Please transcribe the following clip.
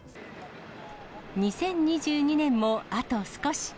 ２０２２年もあと少し。